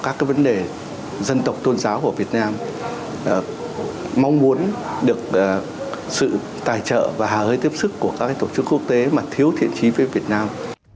các vấn đề dân tộc tôn giáo của việt nam mong muốn được sự tài trợ và hà hơi tiếp sức của các tổ chức quốc tế mà thiếu thiện trí với việt nam